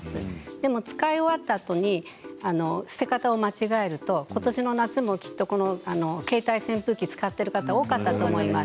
でも使い終わったあとに捨て方を間違えるとことしの夏もきっと携帯扇風機を使っている方多かったと思います。